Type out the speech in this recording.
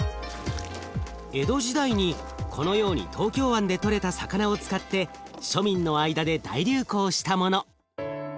江戸時代にこのように東京湾で取れた魚を使って庶民の間で大流行したもの。